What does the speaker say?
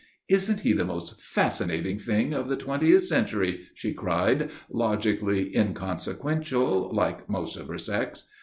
"Isn't he the most fascinating thing of the twentieth century?" she cried, logically inconsequential, like most of her sex.